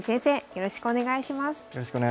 よろしくお願いします。